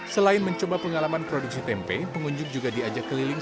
selain mencoba pengalaman produksi tempe pengunjung juga diajak keliling